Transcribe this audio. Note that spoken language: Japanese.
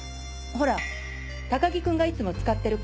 ほら高木君がいつも使ってる